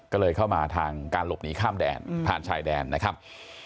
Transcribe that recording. ก็เลยเข้ามาทางการหลบหนีข้ามแดนผ่านชายแดนนะครับ